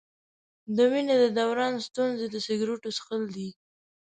د وینې د دوران ستونزې د سګرټو څښل دي.